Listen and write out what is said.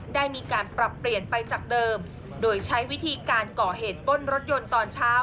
ได้มีการปรับเปลี่ยนไปจากเดิมโดยใช้วิธีการก่อเหตุปล้นรถยนต์ตอนเช้า